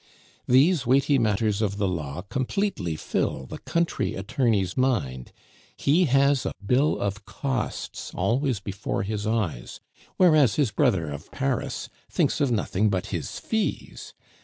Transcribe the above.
These weighty matters of the law completely fill the country attorney's mind; he has a bill of costs always before his eyes, whereas his brother of Paris thinks of nothing but his fees.